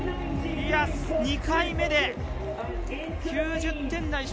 ２回目で９０点台。